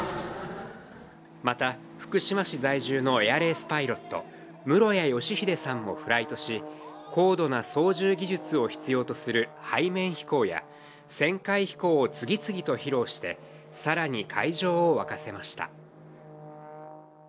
また、福島市在住のエアレースパイロット・室屋義秀さんもフライトし、高度な操縦技術を必要とする背面飛行や旋回飛行を次々と披露して、更に会場を沸かせました。